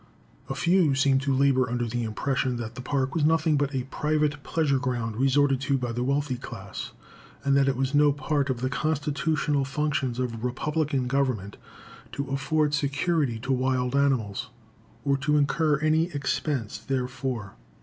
A few seemed to labor under the impression that the Park was nothing but a private pleasure ground, resorted to by the wealthy class, and that it was no part of the Constitutional functions of a Republican Government to afford security to wild animals, or to incur any expense therefor.